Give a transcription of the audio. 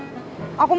berantas copet bubar